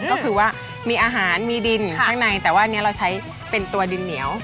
ก็คือว่ามีอาหารมีดินข้างในแต่ว่าอันนี้เราใช้เป็นตัวดินเหนียว